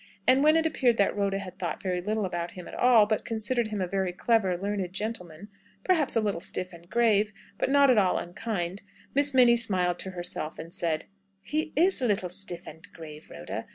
And when it appeared that Rhoda had thought very little about him at all, but considered him a very clever, learned gentleman perhaps a little stiff and grave, but not at all unkind Miss Minnie smiled to herself and said, "He is a little stiff and grave, Rhoda.